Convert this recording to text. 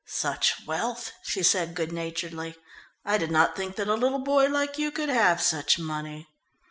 "Such wealth!" she said good naturedly. "I did not think that a little boy like you could have such money."